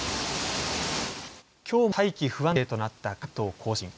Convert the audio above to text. きょうも大気不安定となった関東甲信。